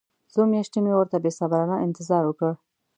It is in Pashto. څو میاشتې مې ورته بې صبرانه انتظار وکړ.